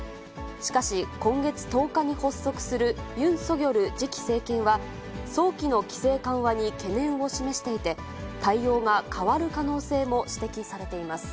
しかし、今月１０日に発足するユン・ソギョル次期政権は、早期の規制緩和に懸念を示していて、対応が変わる可能性も指摘されています。